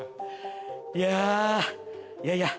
いやぁいやいや